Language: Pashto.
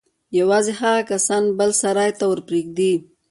يوازې هغه کسان بل سراى ته ورپرېږدي.